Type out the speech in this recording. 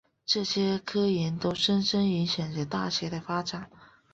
这些科研都深深影响着大学的发展。